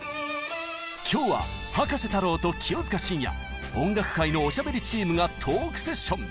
今日は葉加瀬太郎と清塚信也音楽界のおしゃべりチームがトークセッション！